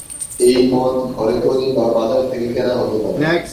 এই মদ ঘরে তৈরি বা বাজার থেকে কেনা হতে পারে।